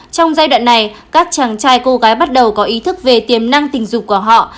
trong giai đoạn này các chàng trai cô gái bắt đầu có ý thức về tiềm năng tình dục của họ